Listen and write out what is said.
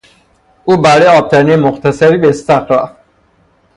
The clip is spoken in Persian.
او برای آبتنی مختصری به استخر رفت.